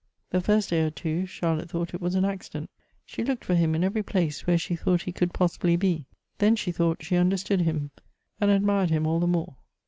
The first day or two Charlotte thought it was an accident — she looked for him in every place where she thought he could possibly be. Then she thought she understood him — and admired him all the more.